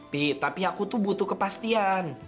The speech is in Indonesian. pi tapi aku tuh butuh kepastian